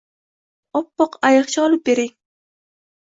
Oppoq ayiqcha olib bering